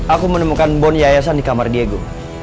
aku menemukan bond yayasan di kamar diego